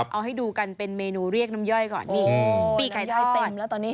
เอาให้ดูกันเป็นเมนูเรียกน้ำย่อยก่อนนี่ปีไก่ยเต็มแล้วตอนนี้